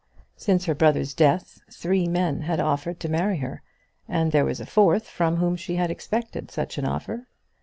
Since her brother's death, three men had offered to marry her, and there was a fourth from whom she had expected such an offer.